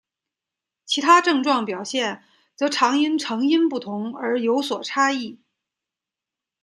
其他症状表现则常因成因不同而有所差异。